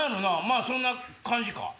まぁそんな感じか。